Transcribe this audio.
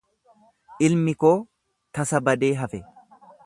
Ilmi koo tasa badee hafe.